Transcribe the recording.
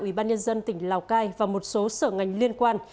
ủy ban nhân dân tỉnh lào cai và một số sở ngành liên quan